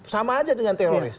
sama aja dengan teroris